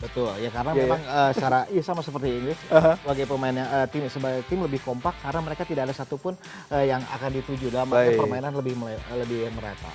betul ya karena memang secara ya sama seperti ini sebagai pemain tim sebagai tim lebih kompak karena mereka tidak ada satupun yang akan dituju dalam permainan lebih merata